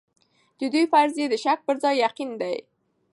د دوی فرضيې د شک پر ځای يقين دي.